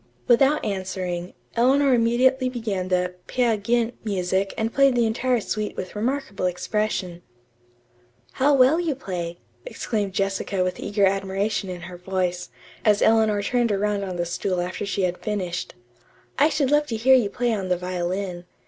'" Without answering, Eleanor immediately began the "Peer Gynt" music and played the entire suite with remarkable expression. "How well you play!" exclaimed Jessica with eager admiration in her voice, as Eleanor turned around on the stool after she had finished. "I should love to hear you play on the violin.